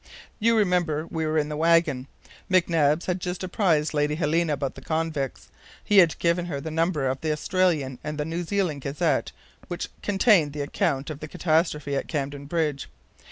You remember we were in the wagon. McNabbs had just apprised Lady Helena about the convicts; he had given her the number of the Australian and New Zealand Gazette which contained the account of the catastrophe at Camden Bridge.